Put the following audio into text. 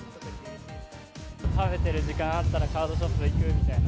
食べてる時間あったら、カードショップ行くみたいな。